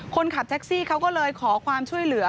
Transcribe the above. คนขับแท็กซี่เขาก็เลยขอความช่วยเหลือ